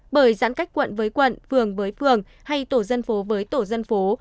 bởi giãn cách quận với quận phường với phường hay tổ dân phố với tổ dân phố